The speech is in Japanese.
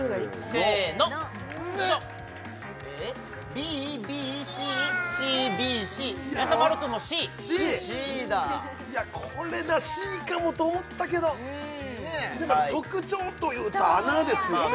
せーのＢＢＣＣＢＣやさ丸くんもＣいやこれＣかもと思ったけどでも特徴というたら穴ですよね